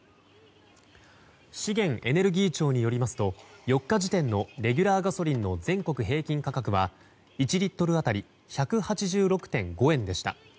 資源エネルギー庁によりますと４日時点のレギュラーガソリンの全国平均価格は１リットル当たり１８６．５円でした。